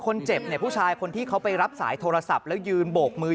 คนเจ็บเนี่ยผู้ชายคนที่เขาไปรับสายโทรศัพท์แล้วยืนโบกมือ